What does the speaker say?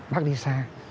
bác đi xa